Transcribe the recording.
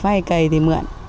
hay cầy thì mượn